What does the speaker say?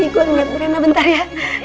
gue ngeliat rena bentar ya